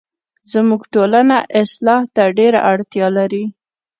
زموږ ټولنه اصلاح ته ډيره اړتیا لري